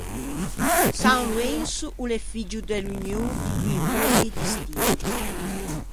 San Loenso o l'é figgio de l'union de doî borghi distinti.